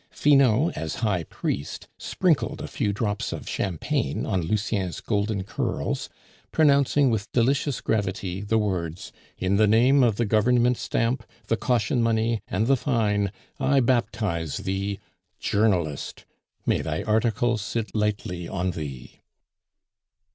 Finot, as high priest, sprinkled a few drops of champagne on Lucien's golden curls, pronouncing with delicious gravity the words "In the name of the Government Stamp, the Caution money, and the Fine, I baptize thee, Journalist. May thy articles sit lightly on thee!"